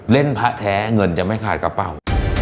พระแท้เงินจะไม่ขาดกระเป๋า